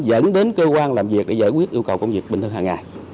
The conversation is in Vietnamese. dẫn đến cơ quan làm việc để giải quyết yêu cầu công việc bình thường hàng ngày